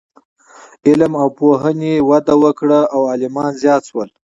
علم او پوهنې وده وکړه او عالمان زیات شول.